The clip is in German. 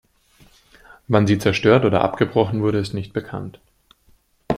Wann sie zerstört oder abgebrochen wurde, ist nicht bekannt.